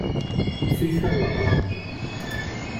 fija la palanca .